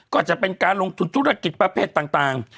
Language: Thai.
ก็จะเป็นการลงทุนธุรกิจประเภทต่าง